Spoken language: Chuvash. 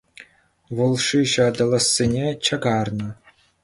Вӑл шыҫӑ аталанассине чакарнӑ.